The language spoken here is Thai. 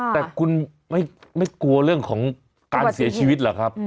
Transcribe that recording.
แต่คุณไม่กลัวเรื่องของการเสียชีวิตหรอกครับ